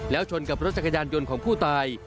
แล้วชนกับรถจักรยานยนต์ของผู้ตาย